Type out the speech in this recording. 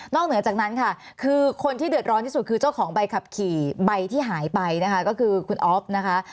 เหนือจากนั้นค่ะคือคนที่เดือดร้อนที่สุดคือเจ้าของใบขับขี่ใบที่หายไปนะคะก็คือคุณอ๊อฟนะคะ